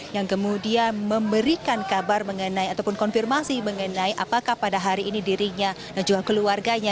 yang kemudian memberikan kabar mengenai ataupun konfirmasi mengenai apakah pada hari ini dirinya dan juga keluarganya